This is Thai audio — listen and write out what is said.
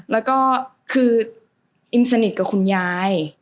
แล้วก็คืออิมสนิทกับคุณยาย